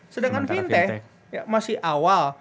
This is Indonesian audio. sedangkan fintech masih awal